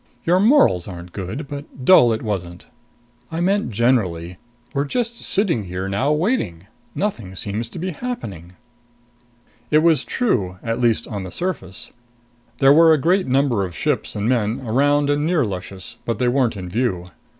"Your morals aren't good, but dull it wasn't. I meant generally. We're just sitting here now waiting. Nothing seems to be happening." It was true, at least on the surface. There were a great number of ships and men around and near Luscious, but they weren't in view.